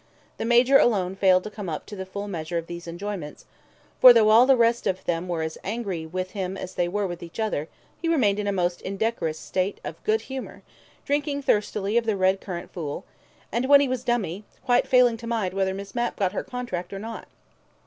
... The Major alone failed to come up to the full measure of these enjoyments, for though all the rest of them were as angry with him as they were with each other, he remained in a most indecorous state of good humour, drinking thirstily of the red currant fool, and when he was dummy, quite failing to mind whether Miss Mapp got her contract or not.